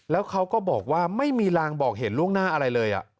แล้วเขาก็บอกว่าไม่มีรางบอกเห็นล่วงหน้าอะไรเลย